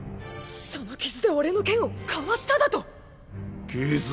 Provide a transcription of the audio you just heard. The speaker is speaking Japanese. その傷で俺の剣をかわしただと⁉傷？